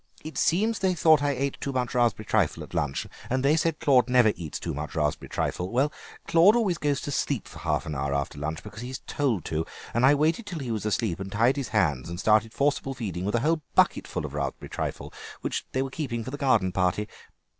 It seems they thought I ate too much raspberry trifle at lunch, and they said Claude never eats too much raspberry trifle. Well, Claude always goes to sleep for half an hour after lunch, because he's told to, and I waited till he was asleep, and tied his hands and started forcible feeding with a whole bucketful of raspberry trifle that they were keeping for the garden party.